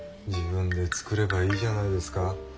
自分で作ればいいじゃないですか。